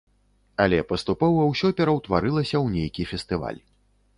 Але паступова ўсё пераўтварылася ў нейкі фестываль.